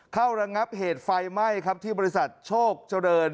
ระงับเหตุไฟไหม้ครับที่บริษัทโชคเจริญ